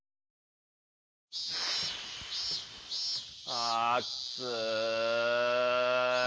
あっつい。